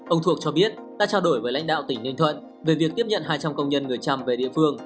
ông thuộc cho biết đã trao đổi với lãnh đạo tỉnh ninh thuận về việc tiếp nhận hai trăm linh công nhân người trăm về địa phương